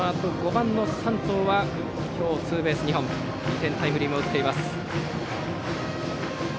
５番の山藤は今日ツーベース２本２点タイムリーも打っています。